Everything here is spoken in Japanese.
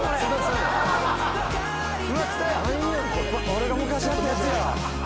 俺が昔やったやつや。